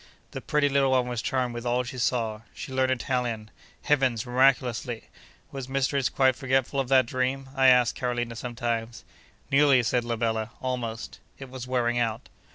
The pretty little one was charmed with all she saw. She learnt Italian—heavens! miraculously! Was mistress quite forgetful of that dream? I asked Carolina sometimes. Nearly, said la bella—almost. It was wearing out.